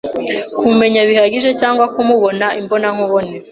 kumumenya bihagije cyagwa kumubona imbonankubone